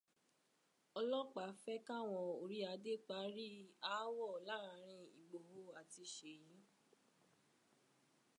Ọlọ́pàá fẹ́ k'áwọn oríadé parí aáwọ̀ láàrín Ìgbòho àti Ṣèyí.